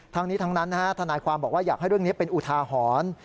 ทั้งนี้ทั้งนั้นทนายความบอกว่าอยากให้เรื่องนี้เป็นอุทาหรณ์